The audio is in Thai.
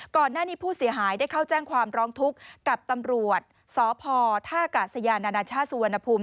ก่อนหน้านี้ผู้เสียหายได้เข้าแจ้งความร้องทุกข์กับตำรวจสพท่ากาศยานานาชาติสุวรรณภูมิ